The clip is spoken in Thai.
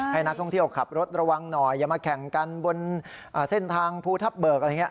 ให้นักท่องเที่ยวขับรถระวังหน่อยอย่ามาแข่งกันบนเส้นทางภูทับเบิกอะไรอย่างนี้